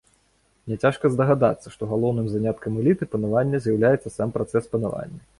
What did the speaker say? Няцяжка здагадацца, што галоўным заняткам эліты панавання з'яўляецца сам працэс панавання.